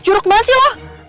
jorok banget sih lo